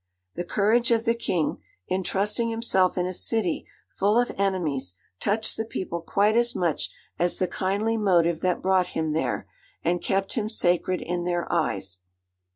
The courage of the King, in trusting himself in a city full of enemies, touched the people quite as much as the kindly motive that brought him there, and kept him sacred in their eyes.